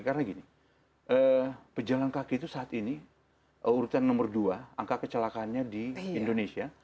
karena gini pejalan kaki itu saat ini urutan nomor dua angka kecelakaannya di indonesia